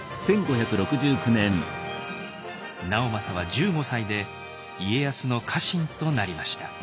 直政は１５歳で家康の家臣となりました。